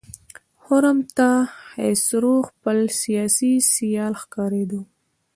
خرم ته خسرو خپل سیاسي سیال ښکارېده.